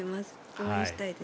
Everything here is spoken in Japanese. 応援したいです。